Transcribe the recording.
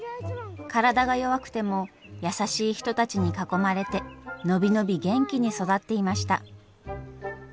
体が弱くても優しい人たちに囲まれて伸び伸び元気に育っていました。